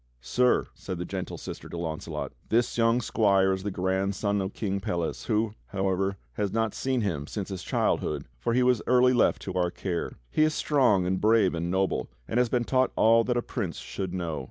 "Sir," said the gentle sister to Launcelot, "this young squire is the grandson of King Pelles, who, however, has not seen him since his childhood, for he was early left to our care. He is strong and brave and noble, and has been taught all that a prince should know.